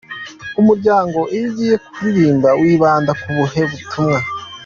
Umuryango: Iyo ugiye ku ririmba wibanda kubuhe butumwa?.